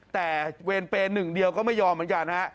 แต่เวนเปย์๑เดียวก็ไม่ยอมเหมือนกันนะฮะ